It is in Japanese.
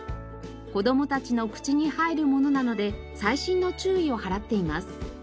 子どもたちの口に入るものなので細心の注意を払っています。